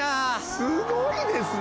すごいですね。